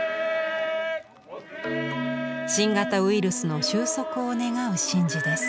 新型ウイルスの終息を願う神事です。